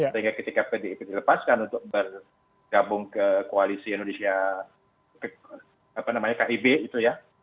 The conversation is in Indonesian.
sehingga ketika pt ip dilepaskan untuk bergabung ke koalisi indonesia apa namanya kib gitu ya